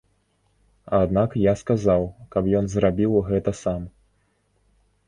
Аднак я сказаў, каб ён зрабіў гэта сам.